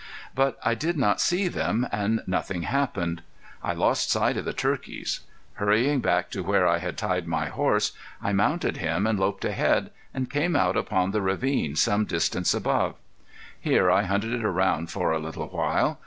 But I did not see them, and nothing happened. I lost sight of the turkeys. Hurrying back to where I had tied my horse I mounted him and loped ahead and came out upon the ravine some distance above. Here I hunted around for a little while.